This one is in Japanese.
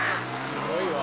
「すごいわ」